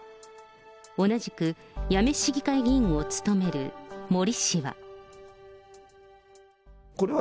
同じく八女市議会議員を務める森氏は。